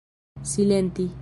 silenti